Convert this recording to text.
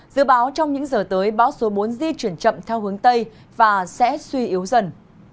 dự báo trong những giờ tới bão số bốn di chuyển chậm theo hướng tây và sẽ suy yếu dần